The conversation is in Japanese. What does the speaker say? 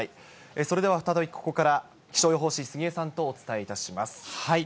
それでは再び、ここから気象予報士、杉江さんとお伝えします。